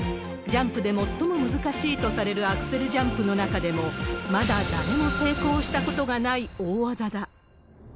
ジャンプで最も難しいとされるアクセルジャンプの中でも、まだ誰も成功したことがない大技だ。